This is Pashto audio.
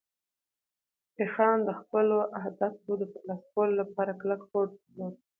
فتح خان د خپلو اهدافو د ترلاسه کولو لپاره کلک هوډ درلود.